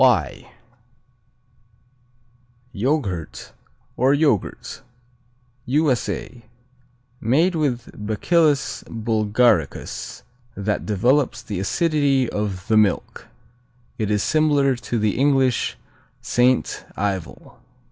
Y Yoghurt, or Yogurt U.S.A. Made with Bacillus bulgaricus, that develops the acidity of the milk. It is similar to the English Saint Ivel.